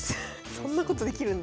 そんなことできるんだ。